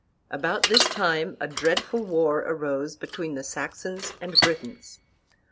About this time a dreadful war arose between the Saxons and Britons.